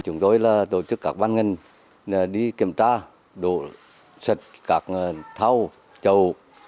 chúng tôi là tổ chức các bán ngân đi kiểm tra đổ sạch các thao chầu